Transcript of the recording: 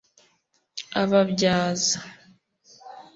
Ababyaza